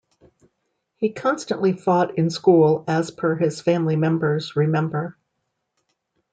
He constantly fought in school as per his family members remember.